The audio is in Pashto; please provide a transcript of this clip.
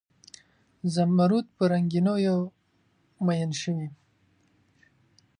زمرود په رنګینیو میین شوي